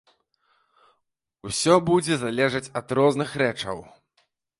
Усё будзе залежаць ад розных рэчаў.